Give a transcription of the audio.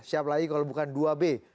siapa lagi kalau bukan dua b